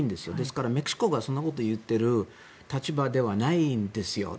ですから、メキシコがそんなこと言っている立場ではないんですよ。